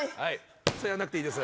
それ、やんなくていいです。